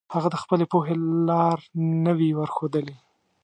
هغه د خپلې پوهې لار نه وي ورښودلي.